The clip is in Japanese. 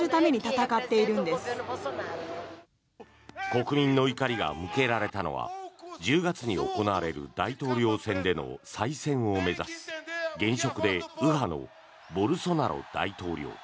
国民の怒りが向けられたのは１０月に行われる大統領選での再選を目指す現職で右派のボルソナロ大統領。